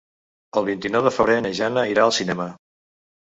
El vint-i-nou de febrer na Jana irà al cinema.